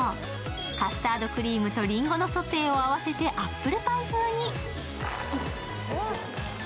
カスタードクリームとりんごのソテーを合わせてアップルパイ風に。